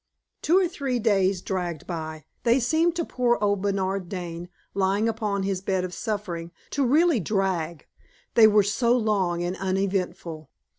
Two or three days dragged by. They seemed to poor old Bernard Dane, lying upon his bed of suffering, to really drag, they were so long and uneventful.